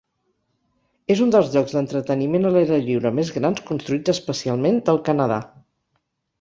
És un dels llocs d'entreteniment a l'aire lliure més grans construïts especialment del Canadà.